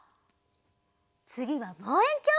つぎはぼうえんきょう！